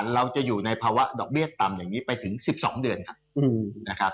เราจะอยู่ในภาวะดอกเบี้ยต่ำอย่างนี้ไปถึง๑๒เดือนครับ